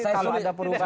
kalau ada perubahan